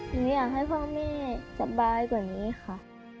หนูอยากให้พ่อแม่สบายกว่านี้ค่ะ